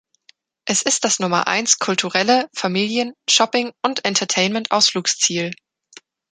Es ist das Nummer eins kulturelle, Familien-, Shopping- und Entertainmentausflugsziel.